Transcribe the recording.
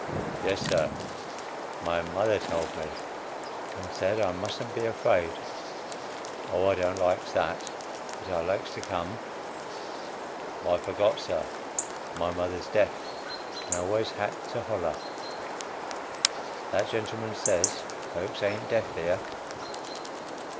] Yes, sir; my mother told me, and said I musn't be afraid. Oh, I don't likes that, but I likes to come. "I forgot, Sir; my mother's deaf, and always had to holler. That gentleman says folks ain't deaf here."